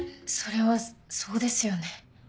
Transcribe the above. それはそうですよね。